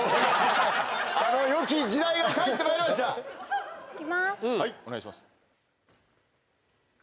あの良き時代が帰ってまいりましたいきます